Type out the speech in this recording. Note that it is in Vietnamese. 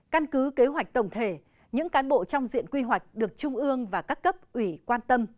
căn cứ kế hoạch tổng thể những cán bộ trong diện quy hoạch được trung ương và các cấp ủy quan tâm